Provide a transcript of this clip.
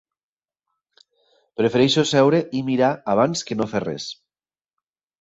Prefereixo seure i mirar abans que no fer res.